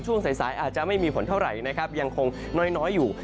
ช่วงสายอาจจะไม่มีฝนเท่าไหร่นะครับยังคงน้อยอยู่